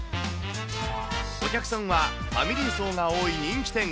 お客さんはファミリー層が多い人気店。